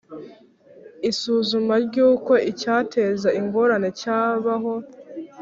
Isuzuma ry uko icyateza ingorane cyabaho